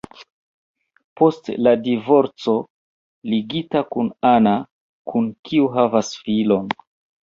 Post la divorco ligita kun Anna, kun kiu havas filon.